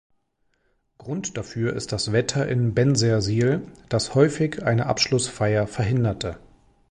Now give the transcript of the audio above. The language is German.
Grund dafür ist das Wetter in Bensersiel, dass häufig eine Abschlussfeier verhinderte.